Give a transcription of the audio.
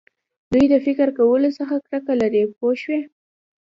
دوی د فکر کولو څخه کرکه لري پوه شوې!.